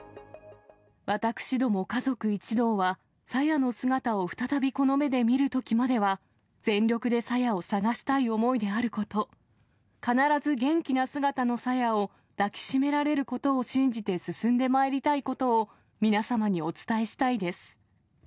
私ども家族一同は、さやの姿を再びこの目で見るときまでは、全力でさやを捜したい思いであること、必ず元気な姿のさやを抱き締められることを信じて進んでまいりたいことを皆様にお伝えしたいです。